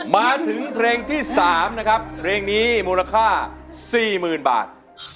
มาถึงเพลงที่๓นะครับเพลงนี้มูลค่า๔๐๐๐บาท